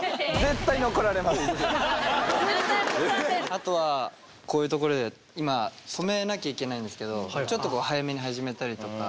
あとはこういうところで今止めなきゃいけないんですけどちょっとこう早めに始めたりとか。